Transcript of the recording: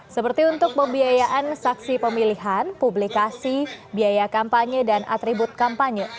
seperti untuk pembiayaan saksi pemilihan publikasi biaya kampanye dan atribut kampanye